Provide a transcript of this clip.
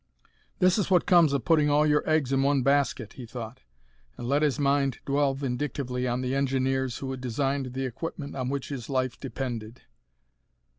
"This is what comes of putting all your eggs in one basket," he thought, and let his mind dwell vindictively on the engineers who had designed the equipment on which his life depended.